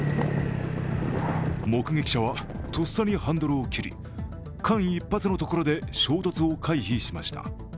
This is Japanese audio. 目撃者はとっさにハンドルを切り間一髪のところで衝突を回避しました。